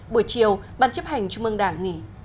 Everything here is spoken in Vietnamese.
buổi chiều ban chấp hành trung mương đảng nghỉ